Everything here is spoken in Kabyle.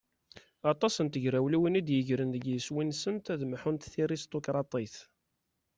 Aṭas n tegrawliwin i d-yegren deg iswi-nsent ad mḥunt tiristukraṭit.